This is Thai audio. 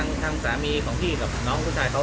ทางสามีของพี่กับน้องผู้ชายเขา